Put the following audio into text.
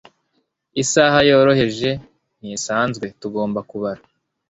isaha yoroheje ntisanzwe; tugomba kubara